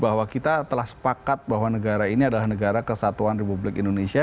bahwa kita telah sepakat bahwa negara ini adalah negara kesatuan republik indonesia